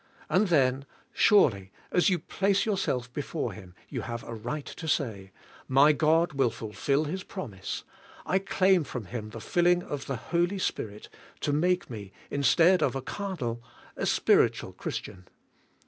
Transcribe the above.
and then surely as you place yourself before Him you have a right to say, "My God will fulfill His promise! I claim from Him the filling of the Hol}^ Spirit to make me, in stead of a carnal, a spiritual Christian."